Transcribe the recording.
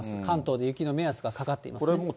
関東で雪の目安がかかっていますね。